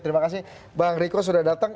terima kasih bang riko sudah datang